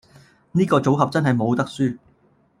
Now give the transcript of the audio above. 呢個組合真係冇得輸